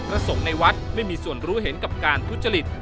สงฆ์ในวัดไม่มีส่วนรู้เห็นกับการทุจริต